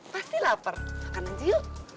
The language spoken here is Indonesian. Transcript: pasti lapar makanan aja yuk